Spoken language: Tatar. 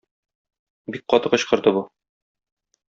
Бик каты кычкырды бу.